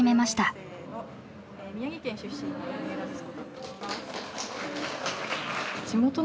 宮城県出身の三浦瑞穂です。